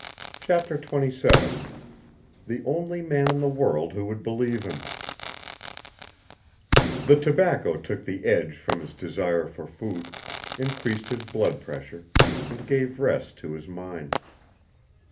CHAPTER XXVII THE ONLY MAN IN THE WORLD WHO WOULD BELIEVE HIM The tobacco took the edge from his desire for food, increased his blood pressure, and gave rest to his mind.